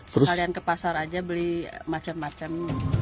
sekalian ke pasar aja beli macem macem